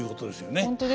本当ですね。